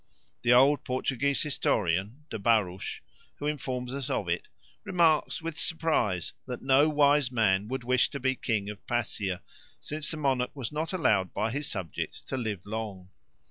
The old Portuguese historian De Barros, who informs us of it, remarks with surprise that no wise man would wish to be king of Passier, since the monarch was not allowed by his subjects to live long.